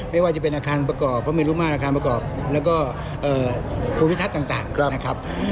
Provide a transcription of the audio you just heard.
ไม่ว่าจะเป็นอาคารประกอบพระเมรุมาตรอาคารประกอบแล้วก็ภูมิทัศน์ต่างนะครับ